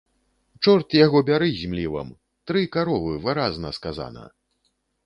Чорт яго бяры з млівам, тры каровы, выразна сказана.